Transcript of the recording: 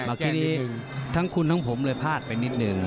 เมื่อกี้นี้ทั้งคุณทั้งผมเลยพลาดไปนิดนึง